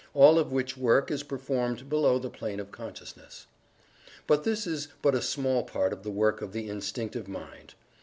all of which work is performed below the plane of consciousness. But this is but a small part of the work of the Instinctive Mind.